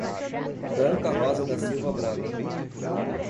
Branca Rosa da Silva Braga